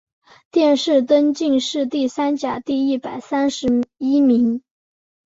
殿试登进士第三甲第一百三十一名。